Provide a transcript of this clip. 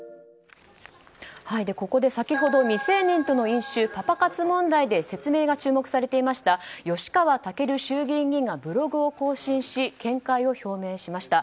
ここで先ほど未成年との飲酒パパ活問題で説明が注目されていました吉川赴衆議院議員がブログを更新し見解を表明しました。